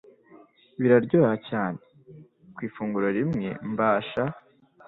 biraryoha cyane. Ku ifunguro rimwe mbasha